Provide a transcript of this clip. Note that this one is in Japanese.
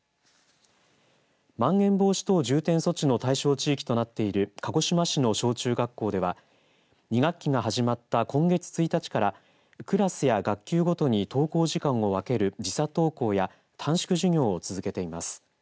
まん延防止等重点措置の対象地域となっている鹿児島市の小中学校では２学期が始まった、今月１日からクラスや学級ごとに登校時間を分ける時差登校や短縮授業を続けています。